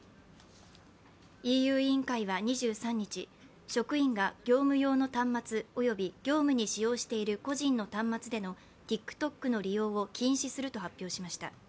ＥＵ委員会は２３日、職員が業務用の端末および業務に使用している個人の端末でのＴｉｋＴｏｋの利用を禁止すると発表しました。